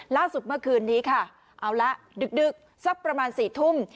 ล่าสุดเมื่อคืนนี้ค่ะเอาละดึกสักประมาณ๔ทุ่ม